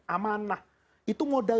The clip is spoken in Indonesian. amanah itu modal